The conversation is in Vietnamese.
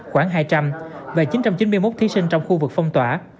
khoảng hai trăm linh và chín trăm chín mươi một thí sinh trong khu vực phong tỏa